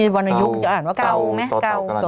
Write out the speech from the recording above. เขาอยู่พระรับ